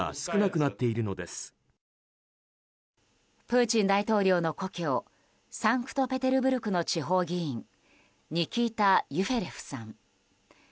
プーチン大統領の故郷サンクトペテルブルクの地方議員ニキータ・ユフェレフさん。